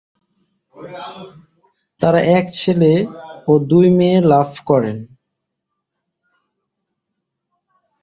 তারা এক ছেলে ও দুই মেয়ে লাভ করেন।